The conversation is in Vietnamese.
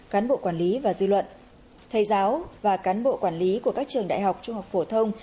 cán bộ quản lý và dư luận thầy giáo và cán bộ quản lý của các trường đại học trung học phổ thông